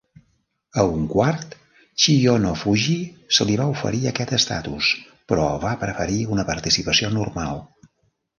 A un quart, Chiyonofuji, se li va oferir aquest estatus però va preferir una participació normal.